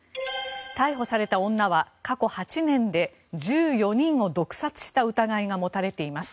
逮捕された女は過去８年で１４人を毒殺した疑いが持たれています。